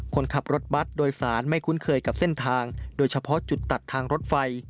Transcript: คนขับรถบัตรโดยสารไม่คุ้นเคยกับเส้นทางโดยเฉพาะจุดตัดทางรถไฟ